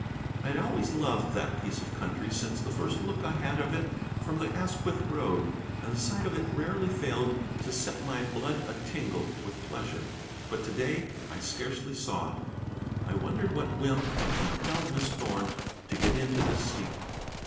I had always loved that piece of country since the first look I had of it from the Asquith road, and the sight of it rarely failed to set my blood a tingle with pleasure. But to day I scarcely saw it. I wondered what whim had impelled Miss Thorn to get into this seat.